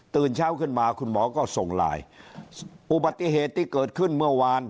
เช้าขึ้นมาคุณหมอก็ส่งไลน์อุบัติเหตุที่เกิดขึ้นเมื่อวาน